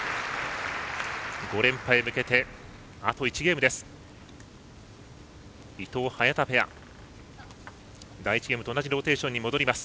５連覇へ向けてあと１ゲームです。